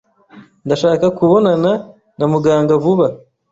Ndashaka kubonana na muganga vuba.